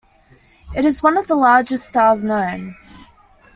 It is one of the largest stars known.